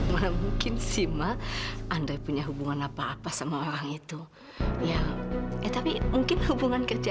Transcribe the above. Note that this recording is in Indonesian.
mana mungkin sih ma andre punya hubungan apa apa sama orang itu ya ya tapi mungkin hubungan kerja